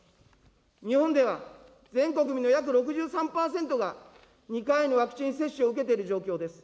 日本では全国民の約６３％が、２回のワクチン接種を受けている状況です。